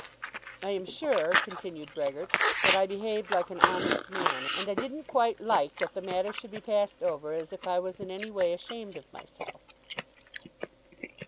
"I am sure," continued Brehgert, "that I behaved like an honest man; and I didn't quite like that the matter should be passed over as if I was in any way ashamed of myself."